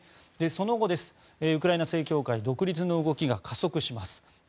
その後、ウクライナ正教会独立の動きが加速します。